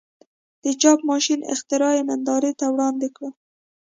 د چاپ ماشین اختراع یې نندارې ته وړاندې کړه.